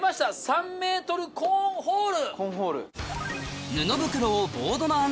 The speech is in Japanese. ３ｍコーンホール。